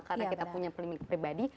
karena kita punya pemilik pribadi